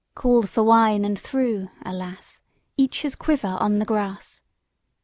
Called for wine, and threw — alas! — Each his quiver on the grass.